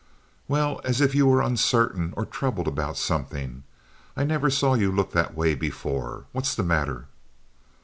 "Well, as if you were uncertain or troubled about something. I never saw you look that way before. What's the matter?"